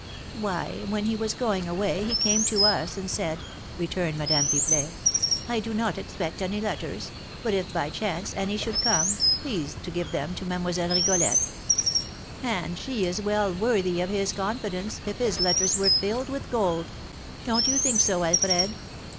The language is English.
"Why, when he was going away, he came to us and said," returned Madame Pipelet, "'I do not expect any letters; but if, by chance, any should come, please to give them to Mlle. Rigolette.' And she is well worthy of his confidence, if his letters were filled with gold; don't you think so, Alfred?"